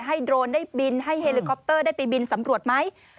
โดรนได้บินให้เฮลิคอปเตอร์ได้ไปบินสำรวจไหม